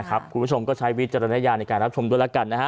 คุณผู้ชมก็ใช้วิจารณญาณในการรับชมด้วยแล้วกันนะฮะ